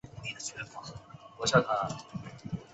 用卫星在太空上网